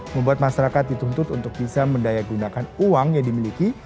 membuat masyarakat dituntut untuk bisa mendayagunakan uang yang dimiliki